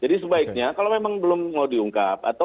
jadi sebaiknya kalau memang belum mau diungkap